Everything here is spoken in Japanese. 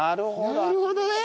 なるほどね。